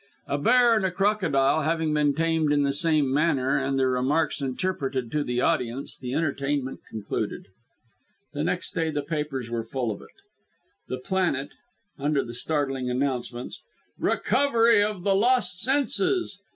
A bear and a crocodile having been tamed in the same manner, and their remarks interpreted to the audience, the entertainment concluded. The next day the papers were full of it. The Planet, under the startling announcements "RECOVERY OF THE LOST SENSES.